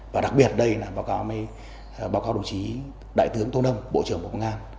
và đặc biệt đây là báo cáo đồng chí đại tướng tôn âm bộ trưởng bộ công an